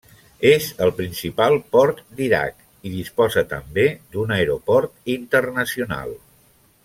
És el principal port d'Iraq i disposa també d'un aeroport internacional.